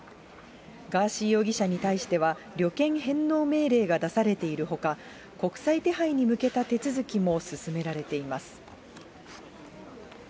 ガーシー容疑者に対しては、旅券返納命令が出されているほか、国際手配に向けた手続きも進められています。